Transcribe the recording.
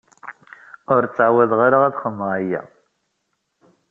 Ur tɛawaḍeɣ ara ad xedmeɣ aya.